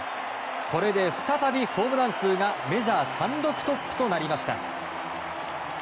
これで再び、ホームラン数がメジャー単独トップとなりました。